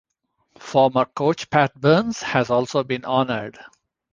Former coach Pat Burns has also been honoured.